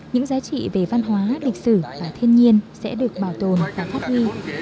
những giá trị về văn hóa lịch sử và thiên nhiên sẽ được bảo tồn và phát huy